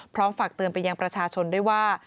ฝากเตือนไปยังประชาชนด้วยว่า